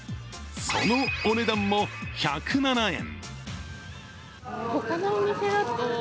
そのお値段も１０７円。